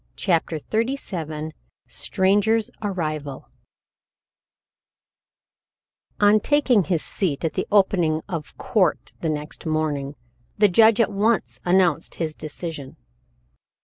CHAPTER XXXVII THE STRANGER'S ARRIVAL On taking his seat at the opening of court the next morning, the judge at once announced his decision.